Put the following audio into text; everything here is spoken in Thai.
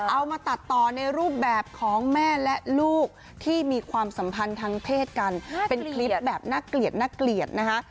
เอามาตัดต่อในรูปแบบของแม่และลูกที่มีความสัมพันธ์ทางเพศกันเป็นคลิปแบบน่าเกลียดน่าเกลียดนะคะ